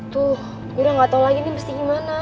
tuh udah nggak tau lagi nih mesti gimana